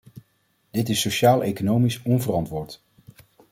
Dit is sociaaleconomisch onverantwoord.